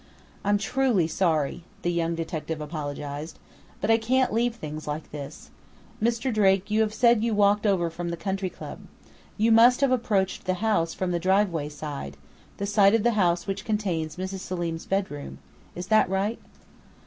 "I'm truly sorry," the young detective apologized. "But I can't leave things like this ... Mr. Drake, you have said you walked over from the Country Club. You must have approached the house from the driveway side, the side of the house which contains Mrs. Selim's bedroom.... Is that right?"